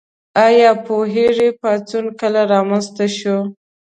ایا پوهیږئ پاڅون کله رامنځته شو؟